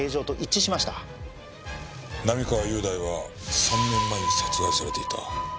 並河優大は３年前に殺害されていた。